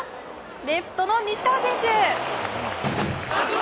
レフトの西川選手。